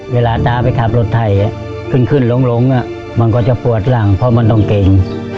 เวลาตาไปขับรถไถขึ้นขึ้นลงมันก็จะปวดหลังเพราะมันต้องเก่ง